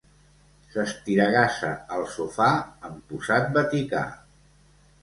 S'estiragassa al sofà amb posat vaticà.